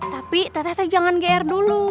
tapi teteh jangan gr dulu